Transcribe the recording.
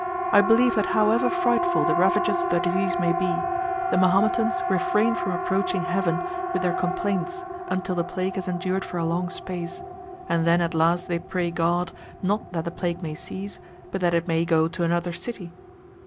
I believe that however frightful the ravages of the disease may be, the Mahometans refrain from approaching Heaven with their complaints until the plague has endured for a long space, and then at last they pray God, not that the plague may cease, but that it may go to another city!